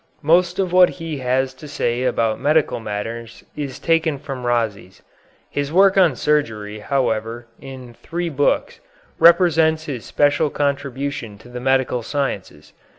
Most of what he has to say about medical matters is taken from Rhazes. His work on surgery, however, in three books, represents his special contribution to the medical sciences.